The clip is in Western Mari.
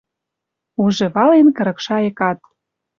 Уже вален кырык шайыкат.